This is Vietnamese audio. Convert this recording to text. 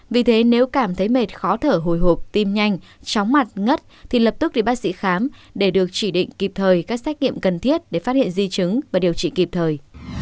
vì thế nếu cảm thấy mệt khó thở hồi hộp tim nhanh chóng mặt ngất thì lập tức đi bác sĩ khám để được chỉ định kịp thời các xét nghiệm cần thiết để phát hiện di chứng và điều trị kịp thời